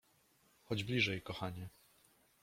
Chodź bliżej, kochanie!